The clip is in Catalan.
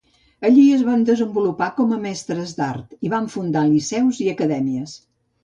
Allí es van desenvolupar com a mestres d'art i van fundar liceus i acadèmies.